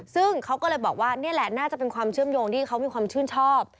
ซึ่งเขาก็เลยบอกว่านี่แหละน่าจะเป็นความเชื่อมโยงที่เขามีความชื่นชอบ